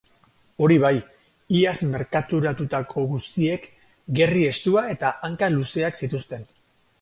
Hori bai, iaz merkaturatutako guztiek gerri estua eta hanka luzeak zituzten.